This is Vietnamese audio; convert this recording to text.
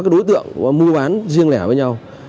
đối tượng mua bán riêng lẻ với nhau